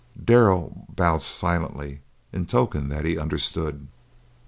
Darrell bowed silently, in token that he understood.